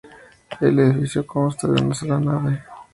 El edificio consta de una sola nave.